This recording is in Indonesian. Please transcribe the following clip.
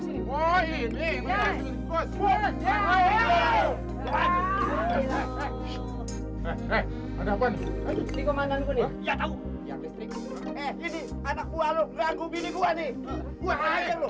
itu dipenjahit sendiri loh